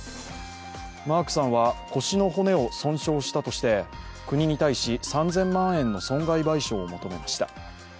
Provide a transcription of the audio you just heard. マークさんは腰の骨を損傷したとして国に対し３０００万円の損害賠償を求めました。